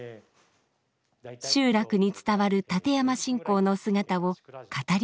集落に伝わる立山信仰の姿を語り継いでいます。